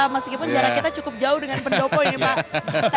meskipun jarak kita cukup jauh dengan pendoko ini pak